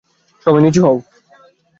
সবাই নিচু হও!